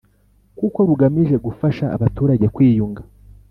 kuko rugamije gufasha abaturage kwiyunga